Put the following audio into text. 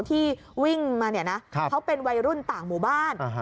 ที่วิ่งมาเนี่ยนะเขาเป็นวัยรุ่นต่างหมู่บ้าน